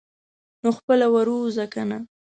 نو خپله ور ووځه کنه.